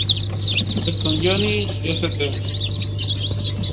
Fue con Johnny St.